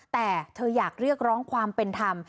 แต่เธออยากเรียกร้องความเป็นธรรม